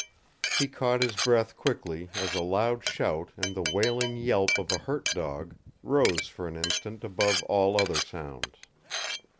He caught his breath quickly as a loud shout and the wailing yelp of a hurt dog rose for an instant above all other sounds.